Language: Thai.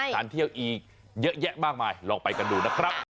ทานเที่ยวอีกเยอะแยะมากมายลองไปกันดูนะครับ